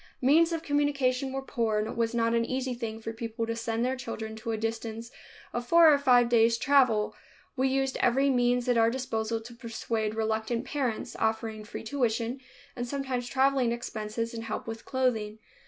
Means of communication were poor and it was not an easy thing for people to send their children to a distance of four or five days' travel. We used every means at our disposal to persuade reluctant parents, offering free tuition and sometimes traveling expenses and help with clothing.